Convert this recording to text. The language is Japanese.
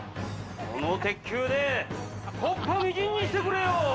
この鉄球で木っ端みじんにしてくれよう！